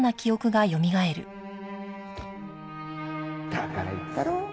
だから言ったろ？